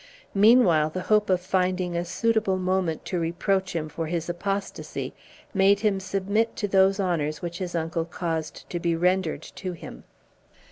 Meanwhile the hope of finding a suitable moment to reproach him for his apostasy made him submit to those honors which his uncle caused to be rendered to him.